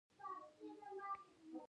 صبر د میوې په څیر خوږ دی.